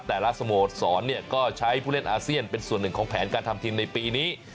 สโมสรก็ใช้ผู้เล่นอาเซียนเป็นส่วนหนึ่งของแผนการทำทีมในปีนี้